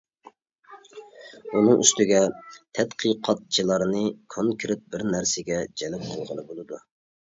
ئۇنىڭ ئۈستىگە تەتقىقاتچىلارنى كونكرېت بىرنەرسىگە جەلپ قىلغىلى بولىدۇ.